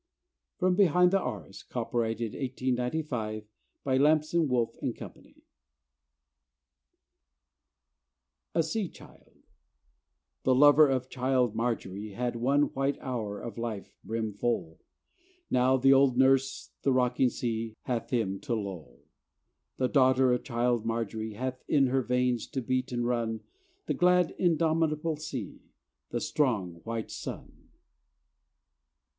From 'Behind the Arras': copyrighted 1895, by Lamson, Wolffe and Company A SEA CHILD The lover of child Marjory Had one white hour of life brim full; Now the old nurse, the rocking sea, Hath him to lull. The daughter of child Marjory Hath in her veins, to beat and run, The glad indomitable sea, The strong white sun.